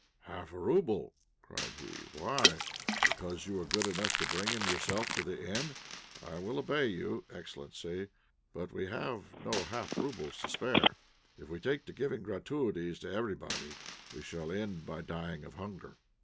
"Half a rouble!" cried he. "Why? Because you were good enough to bring him yourself to the inn? I will obey you, excellency, but we have no half roubles to spare. If we take to giving gratuities to everybody we shall end by dying of hunger."